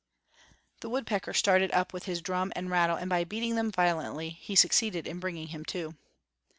The woodpecker started up with his drum and rattle and by beating them violently be succeeded in bringing him to.